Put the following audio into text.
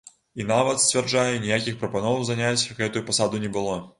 І нават, сцвярджае, ніякіх прапаноў заняць гэтую пасаду не было.